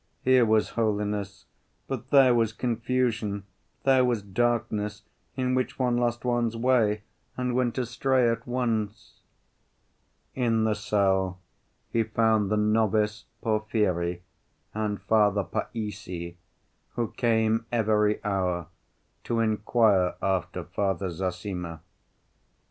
Here was holiness. But there was confusion, there was darkness in which one lost one's way and went astray at once...." In the cell he found the novice Porfiry and Father Païssy, who came every hour to inquire after Father Zossima.